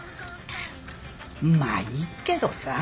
まあいいけどさ。